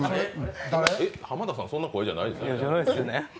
浜田さん、そんな声じゃないですよ。